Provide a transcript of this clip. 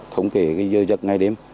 không kể cái dơ dật ngay đêm